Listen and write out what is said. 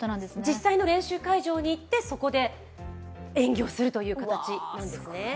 実際の練習会場に行って、そこで演技するという形なんですね。